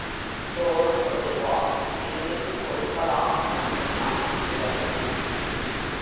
சோறு கொண்டுவா வீரனுக்குக் கொடுக்கலாம் என்று சொன்னான் முரளி.